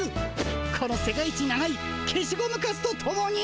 この世界一長いけしゴムカスとともに！